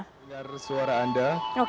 dengar suara anda